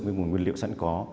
cái nguồn nguyên liệu sẵn có